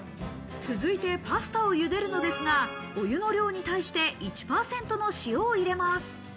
続いて、パスタを入れるのですが、お湯の量に対して１％の塩を入れます。